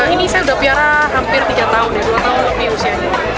ini saya sudah piara hampir tiga tahun dua tahun usianya